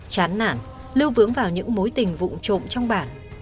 chán nản lưu vướng vào những mối tình vụn trộm trong bản